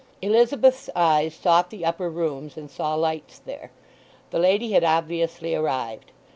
Elizabeth's eyes sought the upper rooms, and saw lights there. The lady had obviously arrived.